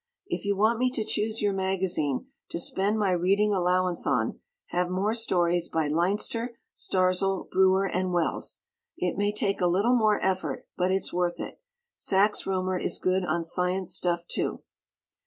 If you want me to choose your magazine to spend my reading allowance on, have more stories by Leinster, Starzl, Breuer and Wells. It may take a little more effort, but it's worth it. Sax Rohmer is good on science stuff, too.